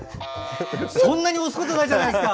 そんなに押すことないじゃないですか！